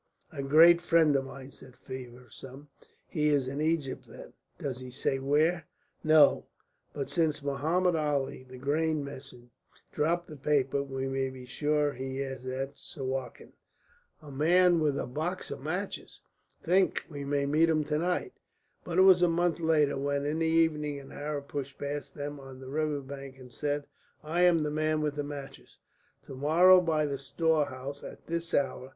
"A great friend of mine," said Feversham. "He is in Egypt, then! Does he say where?" "No; but since Mohammed Ali, the grain merchant, dropped the paper, we may be sure he is at Suakin. A man with a box of matches! Think, we may meet him to night!" But it was a month later when, in the evening, an Arab pushed past them on the river bank and said: "I am the man with the matches. To morrow by the storehouse at this hour."